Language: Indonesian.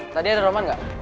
tadi ada roman gak